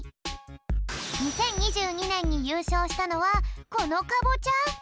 ２０２２ねんにゆうしょうしたのはこのカボチャ。